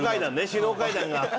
首脳会談が。